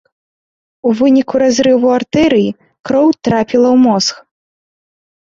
У выніку разрыву артэрыі кроў трапіла ў мозг.